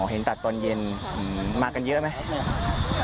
เห็นตัดตอนเย็นมากันเยอะไหม